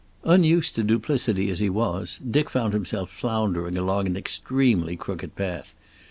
Unused to duplicity as he was, Dick found himself floundering along an extremely crooked path.